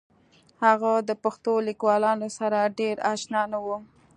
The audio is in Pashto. هغه د پښتو لیکوالانو سره ډېر اشنا نه و